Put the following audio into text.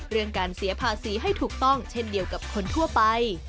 เรื่องการเสียภาษีให้ถูกต้องเช่นเดียวกับคนทั่วไป